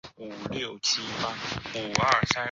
做好旅游安全风险防范各项工作